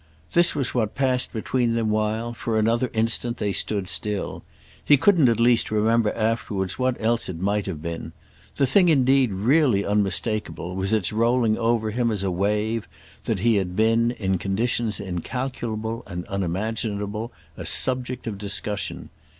This was what passed between them while, for another instant, they stood still; he couldn't at least remember afterwards what else it might have been. The thing indeed really unmistakeable was its rolling over him as a wave that he had been, in conditions incalculable and unimaginable, a subject of discussion.